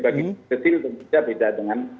bagi bagi kecil juga beda dengan